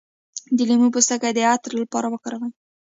د لیمو پوستکی د عطر لپاره وکاروئ